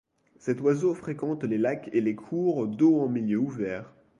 Cet oiseau fréquente les lacs et les cours d'eau en milieu ouvert.